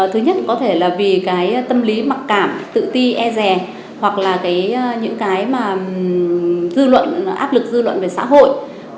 thứ nhất có thể là vì tâm lý mặc cảm tự ti e rè hoặc là những cái áp lực dư luận về xã hội